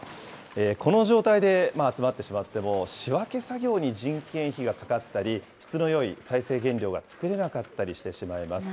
この状態で集まってしまっても、仕分け作業に人件費がかかったり、質のよい再生原料が作れなかったりしてしまいます。